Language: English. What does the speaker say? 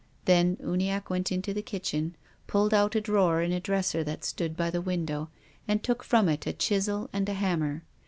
Then Uniacke went into the kitchen, pulled out a drawer in a dresser that stood by the window, and took from it a chisel and a hammer.